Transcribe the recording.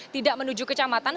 tidak menuju kecamatan